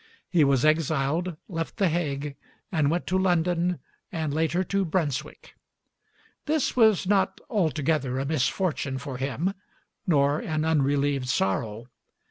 He was exiled, left the Hague, and went to London, and later to Brunswick. This was not altogether a misfortune for him, nor an unrelieved sorrow.